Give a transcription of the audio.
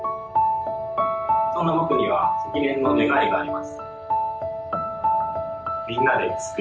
そんな僕には積年の願いがあります。